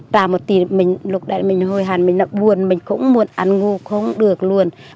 trao một tí lúc đấy mình hồi hàn mình nặng buồn mình cũng muốn ăn ngu không được luôn